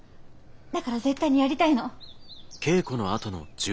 だから絶対にやりたいの。